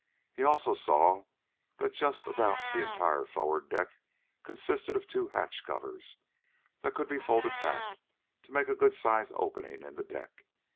He also saw that just about the entire forward deck consisted of two hatch covers that could be folded back to make a good sized opening in the deck.